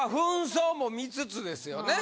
扮装も見つつですよね